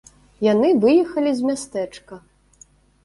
Яны выехалі з мястэчка.